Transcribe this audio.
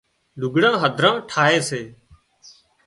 لُگھڙان هڌران ٺاهي سي